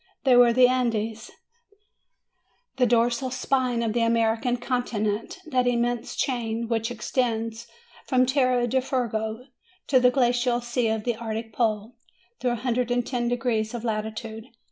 They were the Andes, the dorsal spine of the American continent, that immense chain which extends from Tierra del Fuego to the glacial sea of the Arctic pole, through a hundred and ten degrees of latitude.